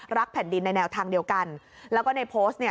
แผ่นดินในแนวทางเดียวกันแล้วก็ในโพสต์เนี่ย